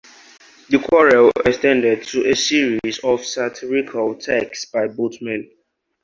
The quarrel extended to a series of satirical texts by both men.